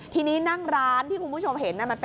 ทีนี้นั่งร้านที่คุณผู้ชมเห็น